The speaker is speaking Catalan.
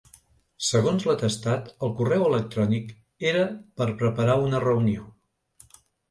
Segons l’atestat, el correu electrònic era per preparar una reunió.